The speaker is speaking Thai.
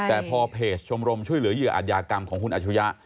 แต่พอเพจชมรมช่วยเหลือเหยื่ออัธยากรรมของคุณอัชรุยะ